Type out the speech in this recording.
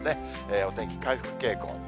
お天気回復傾向。